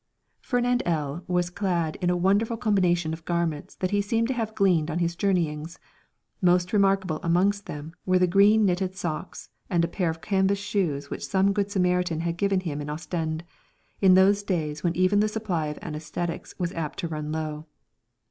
Fernand L was clad in a wonderful combination of garments that he seemed to have gleaned on his journeyings; most remarkable amongst them were the green knitted socks and pair of canvas shoes which some Good Samaritan had given him at Ostend, in those days when even the supply of anæsthetics was apt to run low.